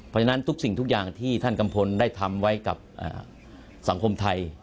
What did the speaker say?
เพราะฉะนั้นทุกสิ่งทุกอย่างที่ท่านกัมพลได้ทำไว้กับสังคมไทย